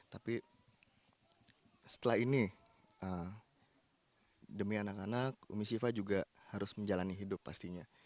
tapi setelah ini demi anak anak umi syifa juga harus menjalani hidup pastinya